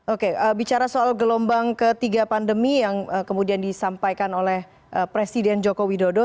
oke bicara soal gelombang ketiga pandemi yang kemudian disampaikan oleh presiden joko widodo